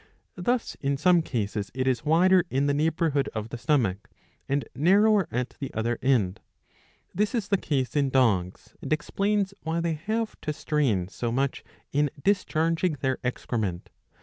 Thus in some cases it is wider in the neigh bourhood of the stomach, and narrower at the other .end. This is the case in dogs, and explains why they have to strain so much in discharging their excrement.